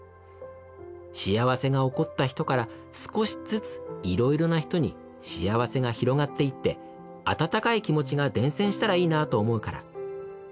幸せが起こった人から少しずつ色々な人に幸せが広がっていってあたたかい気持ちが伝染したらいいなぁと思うから。